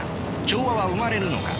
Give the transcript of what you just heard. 調和は生まれるのか。